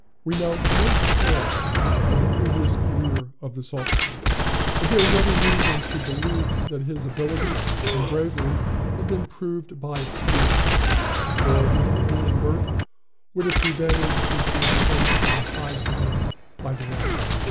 We know no details of the previous career of this officer; but there is every reason to believe that his abilities and bravery had been proved by experience, or his Median birth would have prevented his being placed in high command by Darius.